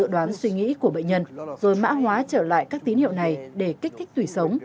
đoán suy nghĩ của bệnh nhân rồi mã hóa trở lại các tín hiệu này để kích thích tủy sống